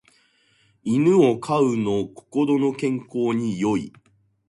犬を飼うの心の健康に良い